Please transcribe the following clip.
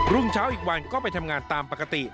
รุ่งเช้าอีกวันก็ไปทำงานตามปกติ